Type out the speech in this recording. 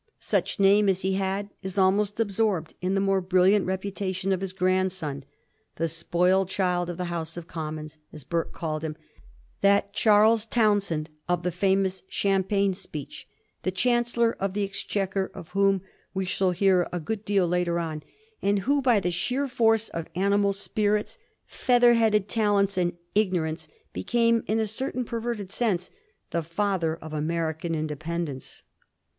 Such name as he had is almost absorbed in the more brilliant reputa tion of his grandson — ^the spoiled child of the House of Commons, as Burke called him — ^that Charles Townshend of the famous * Champagne Speech'; the Chancellor of the Exchequer of whom we shall hear a good deal later on, and who, by the sheer force of animal spirits, feather headed talents and ignorance, became, in a certain perverted sense, the father of American Independence.